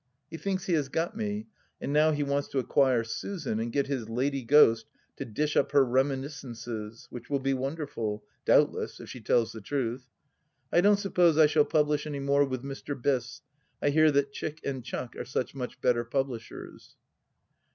He thinks he has got me, and now he wants to acquire Susan and get his lady ghost to dish up her reminiscences, which will be wonderful, doubtless, if she tells the truth. I don't suppose I shall publish any more with Mr. Biss, I hear that Chick & Chuck are such much better publishers.